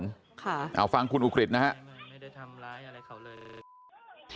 ค่ะฟังคุณอุกฤษนะครับ